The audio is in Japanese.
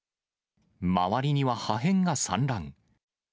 周りには破片が散乱。